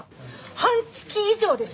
半月以上ですよ。